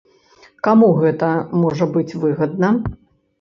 Каму гэта можа быць выгадна?